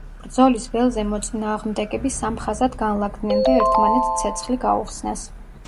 ბრძოლის ველზე მოწინააღმდეგები სამ ხაზად განლაგდნენ და ერთმანეთს ცეცხლი გაუხსნეს.